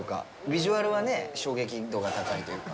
ビジュアルはね、衝撃度が高いというか。